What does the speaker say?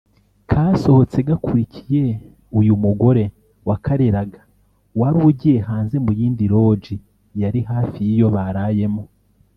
kasohotse gakurikiye uyu mugore wakareraga wari ugiye hanze mu yindi Lodge yari hafi y’iyo barayemo